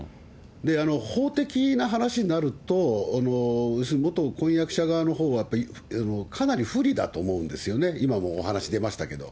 法的な話になると、要するに元婚約者側のほうはかなり不利だと思うんですよね、今もお話出ましたけど。